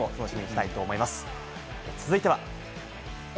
続いては。